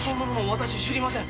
私は知りません。